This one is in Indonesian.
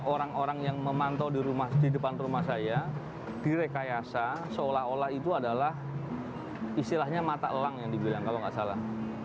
orang orang yang memantau di depan rumah saya direkayasa seolah olah itu adalah istilahnya mata elang yang dibilang kalau nggak salah